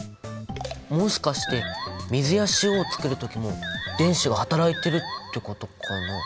もしかして水や塩をつくるときも電子が働いてるってことかな？